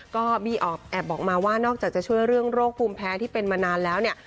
ก็บีบแอบบอกมาว่านอกจากจะช่วยเรื่องโรคภูมิแพ้ที่เป็นมานานแล้วเนี่ย